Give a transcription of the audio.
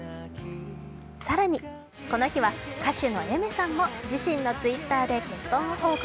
更にこの日は歌手のＡｉｍｅｒさんも自身のＴｗｉｔｔｅｒで結婚を報告。